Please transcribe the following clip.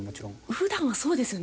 普段はそうですよね。